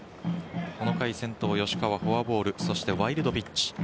この回先頭、吉川はフォアボールそしてワイルドピッチ。